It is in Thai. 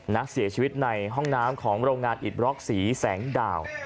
นักเสียชีวิตในห้องน้ำของโรงงานอิดบล็อกสีแสงดาว